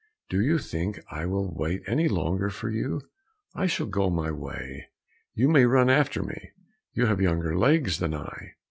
Do you think I will wait any longer for you? I shall go my way, you may run after me; you have younger legs than I."